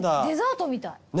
デザートみたい。